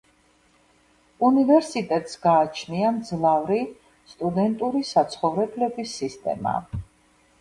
უნივერსიტეტს გააჩნია მძლავრი სტუდენტური საცხოვრებლების სისტემა.